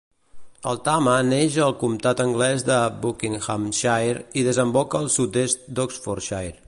El Thame neix al comtat anglès de Buckinghamshire i desemboca al sud-est d'Oxfordshire.